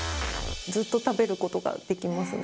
ずっと食べることができますね。